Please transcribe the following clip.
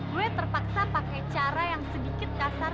gue terpaksa pakai cara yang sedikit kasar